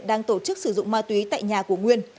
đang tổ chức sử dụng ma túy tại nhà của nguyên